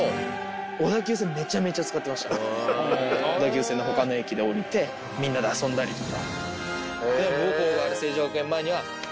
小田急線の他の駅で降りてみんなで遊んだりとか。